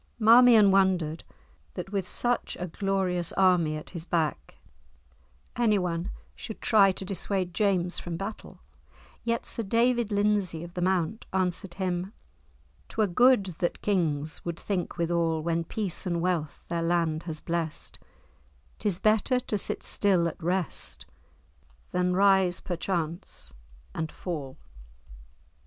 Marmion wondered that with such a glorious army at his back anyone should try to dissuade James from battle, yet Sir David Lindesay of the Mount answered him, "'twere good That Kings would think withal, When peace and wealth their land has bless'd, 'Tis better to sit still at rest, Than rise, perchance to fall."